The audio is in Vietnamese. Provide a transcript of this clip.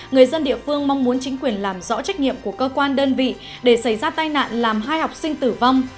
người dân địa phương mong muốn chính quyền làm rõ trách nhiệm của cơ quan đơn vị để xảy ra tai nạn làm hai học sinh tử vong